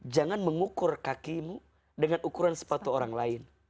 jangan mengukur kakimu dengan ukuran sepatu orang lain